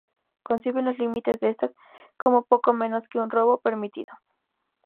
conciben los límites de éstas como poco menos que un robo permitido